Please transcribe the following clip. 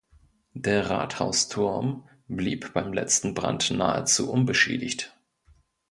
Der Rathausturm blieb beim letzten Brand nahezu unbeschädigt.